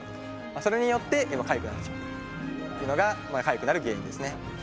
それによってかゆくなってしまうというのがかゆくなる原因ですね。